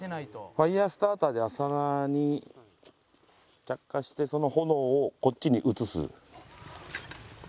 ファイヤースターターで麻側に着火してその炎をこっちに移す。